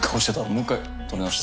もう１回撮り直して。